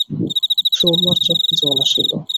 সুরমার চক্ষে জল আসিল।